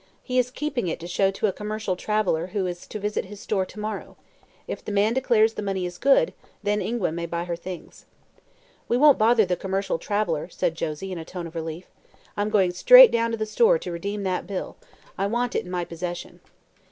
He is keeping it to show to a commercial traveler, who is to visit his store to morrow. If the man declares the money is good, then Ingua may buy her things." "We won't bother the commercial traveler," said Josie, in a tone of relief. "I'm going straight down to the store to redeem that bill. I want it in my possession."